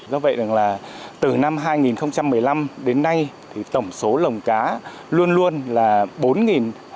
do vậy từ năm hai nghìn một mươi năm đến nay tổng số lồng cá luôn luôn là bốn năm mươi lồng